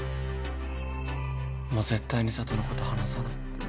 もう絶対に佐都のこと離さない。